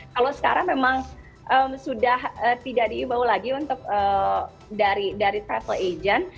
kalau sekarang memang sudah tidak diimbau lagi untuk dari travel agent